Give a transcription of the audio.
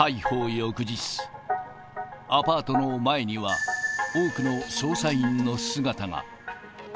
翌日、アパートの前には、多くの捜査員の姿が。